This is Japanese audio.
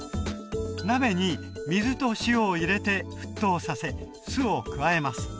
鍋に水と塩を入れて沸騰させ酢を加えます。